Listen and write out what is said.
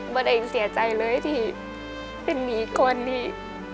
วันเองเสียใจเลยที่เป็นอีกคนดี